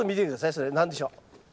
それ何でしょう？